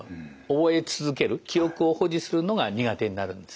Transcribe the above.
覚え続ける記憶を保持するのが苦手になるんですね。